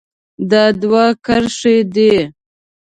دا دوه کرښې دي.